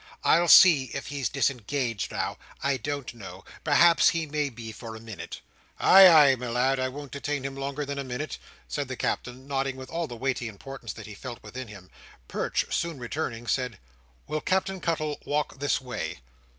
"I'll see if he's disengaged now. I don't know. Perhaps he may be for a minute." "Ay, ay, my lad, I won't detain him longer than a minute," said the Captain, nodding with all the weighty importance that he felt within him. Perch, soon returning, said, "Will Captain Cuttle walk this way?"